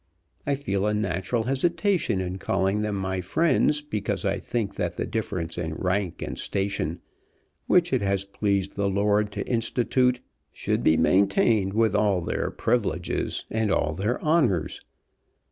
I feel a natural hesitation in calling them my friends because I think that the difference in rank and station which it has pleased the Lord to institute should be maintained with all their privileges and all their honours.